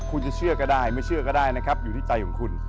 คุณจะเชื่อก็ได้ไม่เชื่อก็ได้นะครับอยู่ที่ใจของคุณ